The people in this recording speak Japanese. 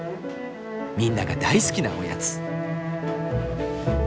みんなが大好きなおやつ。